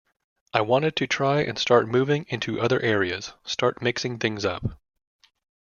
I wanted to try and start moving into other areas, start mixing things up.